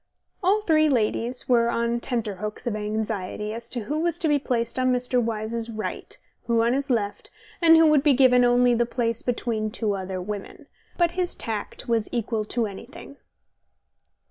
All three ladies were on tenterhooks of anxiety as to who was to be placed on Mr. Wyse's right, who on his left, and who would be given only the place between two other women. But his tact was equal to anything.